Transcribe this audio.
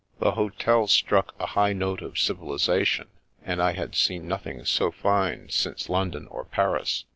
The hotel struck a high note of civilisation, and I had seen nothing so fine since London or Paris.